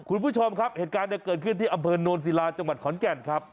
คุณผู้ชมครับเหตุการณ์เกิดขึ้นที่อำเภอโนนศิลาจังหวัดขอนแก่นครับ